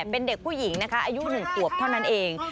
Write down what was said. เป็นเด็กผู้หญิงอายุหนึ่งขวบเท่านั้นเอง